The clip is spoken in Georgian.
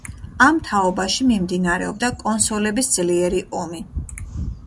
ამ თაობაში მიმდინარეობდა კონსოლების ძლიერი „ომი“.